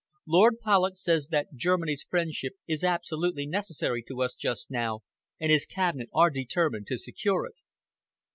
Lord Polloch says that Germany's friendship is absolutely necessary to us just now, and his Cabinet are determined to secure it."